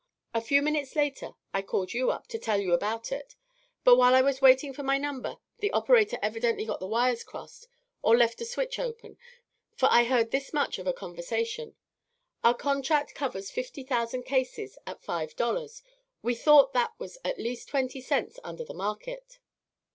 A few minutes later I called you up, to tell you about it; but while I was waiting for my number, the operator evidently got the wires crossed or left a switch open, for I heard this much of a conversation: "'Our contract covers fifty thousand cases at five dollars. We thought that was at least twenty cents under the market.'